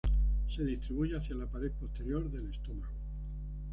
Se distribuye hacia la pared posterior del estómago.